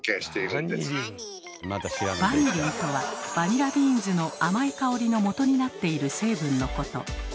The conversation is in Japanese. バニリンとはバニラビーンズの甘い香りのもとになっている成分のこと。